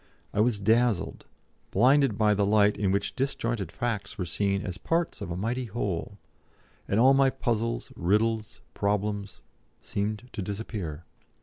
I was dazzled, blinded by the light in which disjointed facts were seen as parts of a mighty whole, and all my puzzles, riddles, problems, seemed to disappear.